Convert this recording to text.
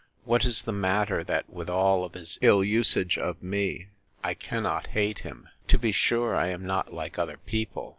What is the matter, that with all his ill usage of me, I cannot hate him? To be sure, I am not like other people!